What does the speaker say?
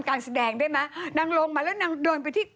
คือเรายังนอนแบบ